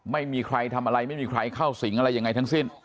ไม่มีใครทำอะไรไม่มีใครเข้าสิงอะไรยังไงทั้งสิ้น